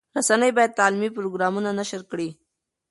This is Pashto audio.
رسنۍ باید تعلیمي پروګرامونه نشر کړي.